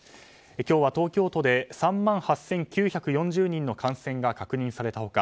今日は東京都で３万８９４０人の感染が確認された他